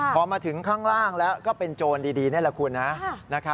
พอมาถึงข้างล่างแล้วก็เป็นโจรดีนี่แหละคุณนะ